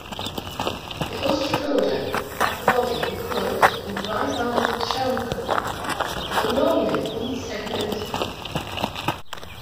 The Ostracoda have the body enclosed in a bivalve shell-covering, and are normally unsegmented.